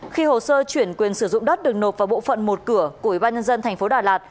khi hồ sơ chuyển quyền sử dụng đất được nộp vào bộ phận một cửa của ủy ban nhân dân thành phố đà lạt